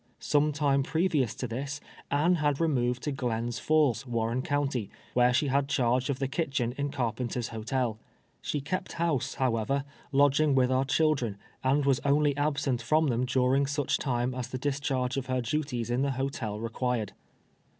Some time previous to tliis, Anne had removed to Glens Falls, Warren county, where she had charge of the kitchen in Carpenter's Hotel. Slie kept house, how ever, lodging with our children, and was only absent from them during such time as tlie discharge of her duties in the hotel rec[uired.